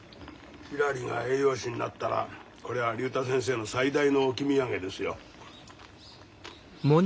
ひらりが栄養士になったらこれは竜太先生の最大の置き土産ですよ。